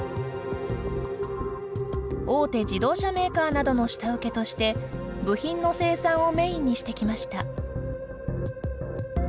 大手自動車メーカーなどの下請けとして、部品の生産をメインにしてきました。